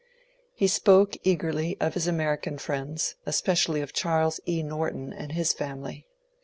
He spoke eagerly of his American friends, especially of Charles E. Norton and his family.